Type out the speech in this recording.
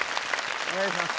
お願いします